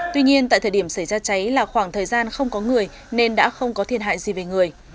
tuy nhiên tại thời điểm xảy ra cháy là khoảng thời gian không có người nên đã không có thiệt hại gì về người